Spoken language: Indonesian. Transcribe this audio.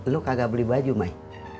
lu kagak beli baju mai